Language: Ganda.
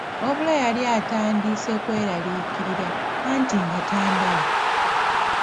Wabula yali atandise kweraliikirira anti nga tandaba.